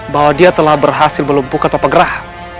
bahwa dia telah berhasil melumpuhkan papa gerah